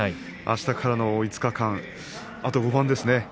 あしたからの５日間あと５番ですね